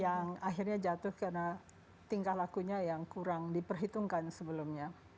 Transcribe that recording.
yang akhirnya jatuh karena tingkah lakunya yang kurang diperhitungkan sebelumnya